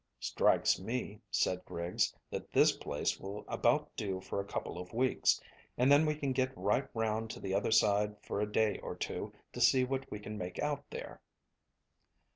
"Strikes me," said Griggs, "that this place will about do for a couple of weeks, and then we can get right round to the other side for a day or two to see what we can make out there."